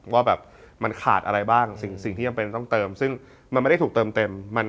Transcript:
ว่าแบบมันขาดอะไรบ้างสิ่งที่จำเป็นต้องเติมซึ่งมันไม่ได้ถูกเติมเต็ม